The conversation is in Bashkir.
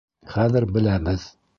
Хәҙер беләбеҙ.